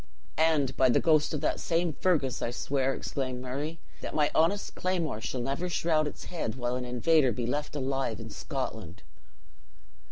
"And by the ghost of that same Fergus, I swear," exclaimed Murray, "that my honest claymore shall never shroud its head while an invader be left alive in Scotland."